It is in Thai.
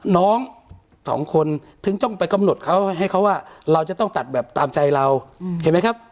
น้องสองคนถึงต้องไปกำหนดเขาให้เขาว่าเราจะต้องตัดแบบตามใจเราเห็นไหมครับ